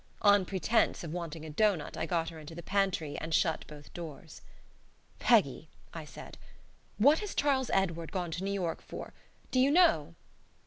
On pretence of wanting a doughnut I got her into the pantry and shut both doors. "Peggy," I said, "what has Charles Edward gone to New York for? Do you know?"